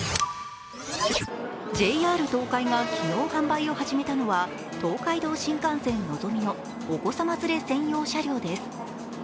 ＪＲ東海が昨日販売を始めたのは、東海道新幹線のぞみのお子さま連れ専用車両です。